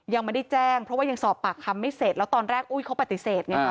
ยังไม่ได้แจ้งเพราะว่ายังสอบปากคำไม่เสร็จแล้วตอนแรกอุ้ยเขาปฏิเสธไงค่ะ